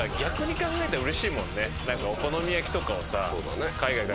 お好み焼きとかをさ。